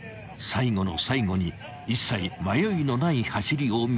［最後の最後に一切迷いのない走りを見せた］